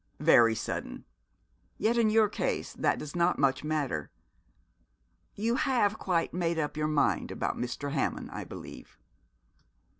'Very sudden; yet in your case that does not much matter. You have quite made up your mind about Mr. Hammond, I believe.'